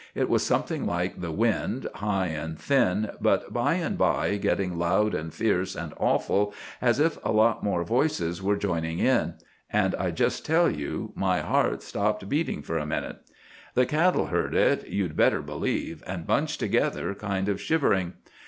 It was something like the wind, high and thin, but by and by getting loud and fierce and awful, as if a lot more voices were joining in; and I just tell you my heart stopped beating for a minute. The cattle heard it, you'd better believe, and bunched together, kind of shivering.